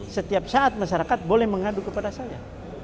setiap saat masyarakat boleh mengadu kepada saya